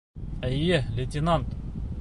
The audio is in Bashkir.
— Эйе, лейтенант.